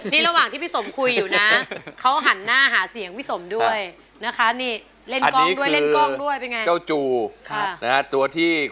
นี่ระหว่างที่พี่สมพิคคุยอยู่นะเขาหันหน้าแหาเสียงพี่สมพิคดี